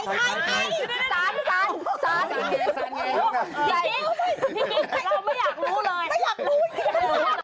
สานฟิกิท